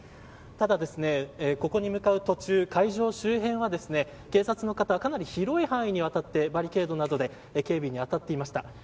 ただ、ここに向かう途中会場周辺は警察の方かなり広い範囲にわたってバリケードで警備に当たっていました。